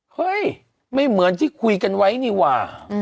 เฮ้ยไม่เหมือนที่คุยกันไว้นี่ว่า